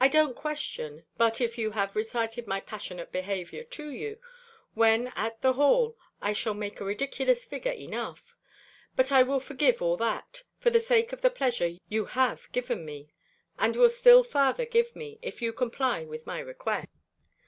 I don't question, but if you have recited my passionate behaviour to you, when at the hall, I shall make a ridiculous figure enough; but I will forgive all that, for the sake of the pleasure you have given me, and will still farther give me, if you comply with my request.